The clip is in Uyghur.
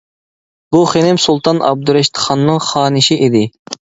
بۇ خېنىم سۇلتان ئابدۇرىشىتخاننىڭ خانىشى ئىدى.